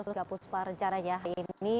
tiga puluh sebar jarak ya hari ini